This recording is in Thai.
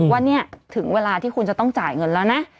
ว่าเนี่ยถึงเวลาที่คุณจะต้องจ่ายเงินแล้วนะ